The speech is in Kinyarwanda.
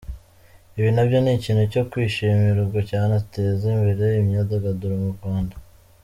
Ibi nabyo ni ikintu cyo kwishimirwa, cyanateza imbere imyidagaduro mu Rwanda.